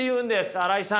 新井さん。